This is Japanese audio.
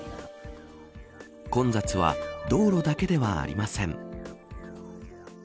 混雑は道路だけではありません。